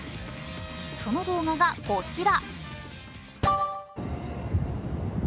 その動画がこちら。